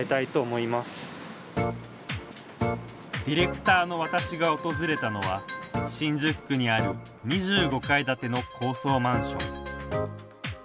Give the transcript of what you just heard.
ディレクターの私が訪れたのは新宿区にある２５階建ての高層マンション。